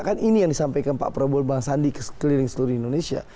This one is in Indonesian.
kan ini yang disampaikan pak prabowo dan bang sandi keliling seluruh indonesia